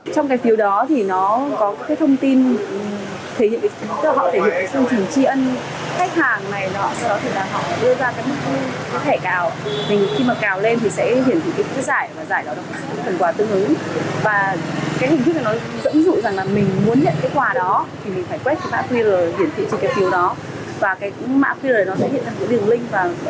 trong cái phiếu đó thì nó có cái thông tin thể hiện họ thể hiện cái thông tin tri ân